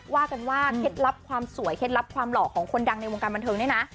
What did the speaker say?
ว่ากันว่าเคล็ดลับความสวยเคล็ดลับความหล่อของคนดังในวงการบันเทิงเนี่ยนะ